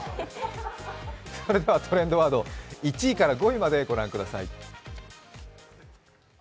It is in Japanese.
それではトレンドワード、１位から５位までご覧ください。